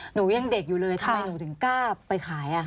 หนูยังเด็กอยู่เลยทำไมหนูถึงกล้าไปขาย